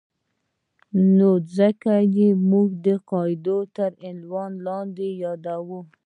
نو ځکه یې موږ د قاعدې تر عنوان لاندې یادوو.